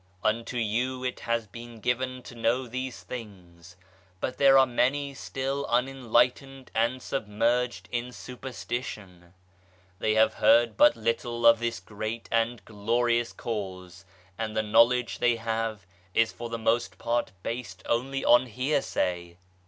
Unto you it has been given to know these things, but there are many still unenlightened and submerged in superstition. They have heard but little of this great and glorious Cause, and the knowledge they have is for the most part based only on hearsay.